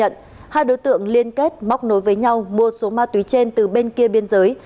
họ đã cho khai nhận hai đối tượng liên kết móc nối với nhau mua số ma túy trên từ bên kia biên giới